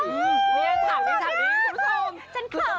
นี่ฉากนี้ฉากนี้คุณผู้ชม